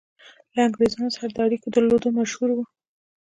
له انګرېزانو سره د اړېکو درلودلو مشهور وو.